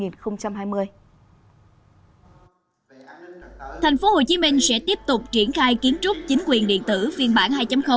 tp hcm sẽ tiếp tục triển khai kiến trúc chính quyền điện tử phiên bản hai